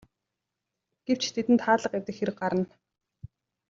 Гэвч тэдэнд хаалга эвдэх хэрэг гарна.